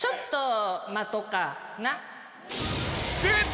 出た！